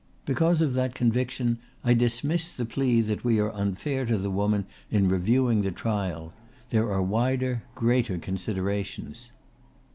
Because of that conviction I dismiss the plea that we are unfair to the woman in reviewing the trial. There are wider, greater considerations."